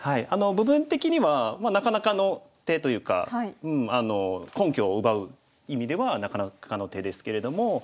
部分的にはなかなかの手というか根拠を奪う意味ではなかなかの手ですけれども。